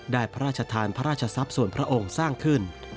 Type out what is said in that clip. พระราชทานพระราชทรัพย์ส่วนพระองค์สร้างขึ้น